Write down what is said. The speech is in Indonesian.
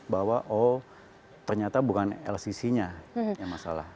bahwa oh ternyata bukan lcc nya yang masalah